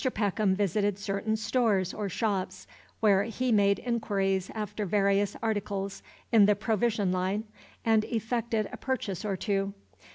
Peckham visited certain "stores" or shops, where he made inquiries after various articles in the provision line, and effected a purchase or two.